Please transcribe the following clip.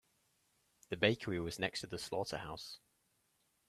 The bakery was next to the slaughterhouse.